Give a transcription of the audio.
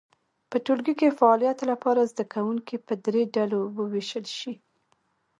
په ټولګي کې فعالیت لپاره زده کوونکي په درې ډلو وویشل شي.